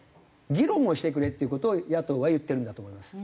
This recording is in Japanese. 議論をしてくれっていう事を野党は言ってるんだと思います。